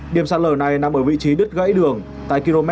điểm sạt lở này nằm ở vị trí đứt gãy đường tại km bốn bảy trăm linh